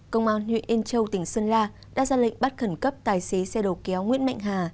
công an huyện yên châu tỉnh sơn la đã ra lệnh bắt khẩn cấp tài xế xe đầu kéo nguyễn mạnh hà